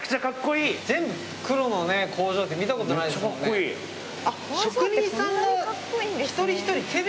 全部黒の工場って見たことないですもんね。